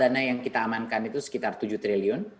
dana yang kita amankan itu sekitar tujuh triliun